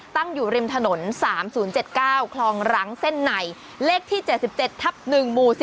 ตั้งอยู่ริมถนน๓๐๗๙คลองรังเส้นในเลขที่๗๗ทับ๑หมู่๔